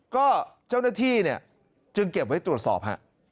ก็เจ้าหน้าที่เนี่ยจึงเก็บไว้ตรวจสอบฮะ